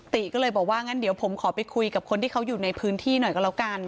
ติก็เลยบอกว่างั้นเดี๋ยวผมขอไปคุยกับคนที่เขาอยู่ในพื้นที่หน่อยก็แล้วกัน